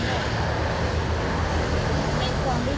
เป็นห้องอีกห้องหนึ่ง